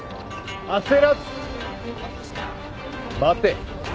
焦らず待て。